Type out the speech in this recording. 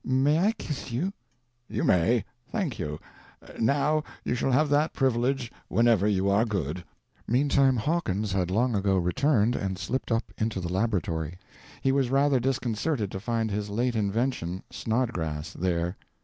May I kiss you?" "You may. Thank you. Now you shall have that privilege whenever you are good." Meantime Hawkins had long ago returned and slipped up into the laboratory. He was rather disconcerted to find his late invention, Snodgrass, there.